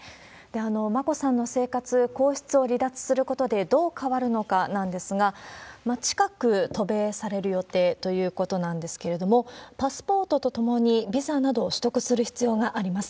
眞子さんの生活、皇室を離脱することでどう変わるのかなんですが、近く渡米される予定ということなんですけれども、パスポートとともにビザなどを取得する必要があります。